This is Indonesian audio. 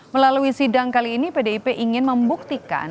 melalui sidang kali ini pdip ingin membuktikan